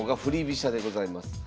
飛車でございます。